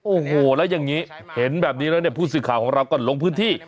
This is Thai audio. โอ้โหแล้วอย่างนี้เห็นแบบนี้แล้วเนี่ยผู้สื่อข่าวของเราก็ลงพื้นที่